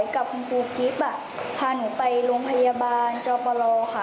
กับคุณครูกรีบอ่ะพาหนูไปโรงพยาบาลจบรอค่ะ